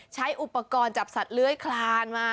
ใช้อุปกรณ์จับสัตว์เลื้อยคลานมา